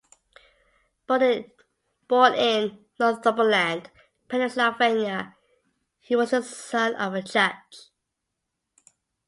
Born in Northumberland, Pennsylvania, he was the son of a judge.